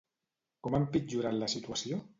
Com ha empitjorat la situació?